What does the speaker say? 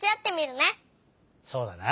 そうだな。